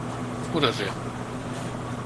Ur riɣ